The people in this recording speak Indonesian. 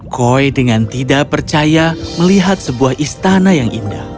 koi dengan tidak percaya melihat sebuah istana yang indah